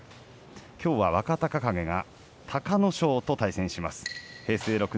きょうは若隆景が隆の勝と対戦します。